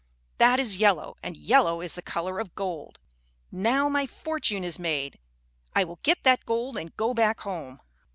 That is yellow, and yellow is the color of gold. Now my fortune is made. I will get that gold and go back home."